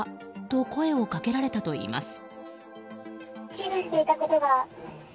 と声をかけられたといいます。